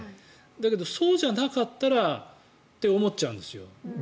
だけど、そうじゃなかったらって思っちゃうんですよ。